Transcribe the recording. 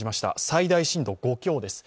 最大震度５強です。